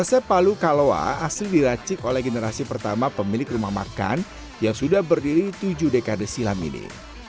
resep palu kalowa asli diracik oleh generasi pertama pemilik rumah makan yang sudah berdiri tujuh dekade silam ini